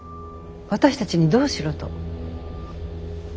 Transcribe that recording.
私たちにどうしろと？